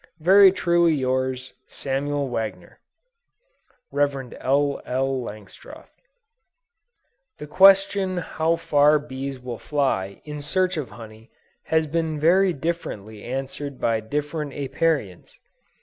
Very truly yours, SAMUEL WAGNER. REV. L. L. LANGSTROTH. The question how far bees will fly in search of honey, has been very differently answered by different Apiarians.